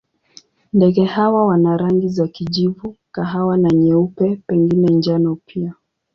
Ndege hawa wana rangi za kijivu, kahawa na nyeupe, pengine njano pia.